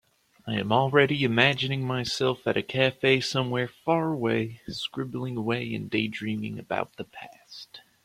I am already imagining myself at a cafe somewhere far away, scribbling away and daydreaming about the past.